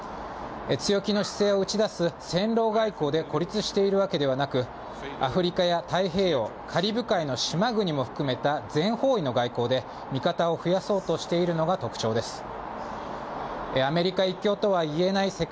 強気の姿勢を打ち出す戦狼外交で孤立しているわけではなく、アフリカや太平洋、カリブ海の島国も含めた全方位の外交で味方を増やそうとしているのが特徴です。